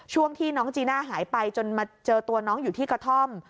ช่วงที่น้องจีน่าหายไปจนมาเจอตัวน้องอยู่ที่กระท่อม